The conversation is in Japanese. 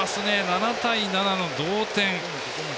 ７対７同点。